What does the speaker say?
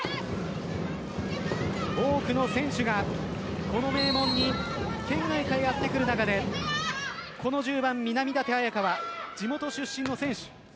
多くの選手が、この名門に県外からやってくる中でこの１０番・南舘絢華は地元出身の選手。